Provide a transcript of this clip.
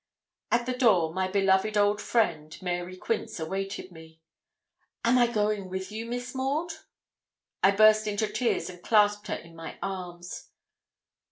At the door my beloved old friend, Mary Quince, awaited me. 'Am I going with you, Miss Maud?' I burst into tears and clasped her in my arms.